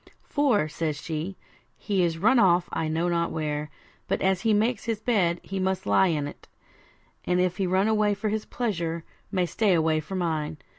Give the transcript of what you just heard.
'For,' says she, 'he is run off I know not where, but as he makes his bed, must he lie on't; and if he run away for his pleasure, may stay away for mine.